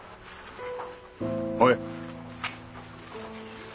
おい。